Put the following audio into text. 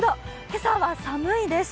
今朝は寒いです。